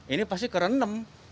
ini pasti kerenem